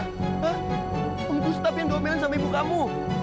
bukan gustaf yang duamelin sama ibu kamu